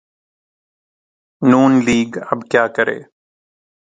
ن لیگ اب کیا کرے؟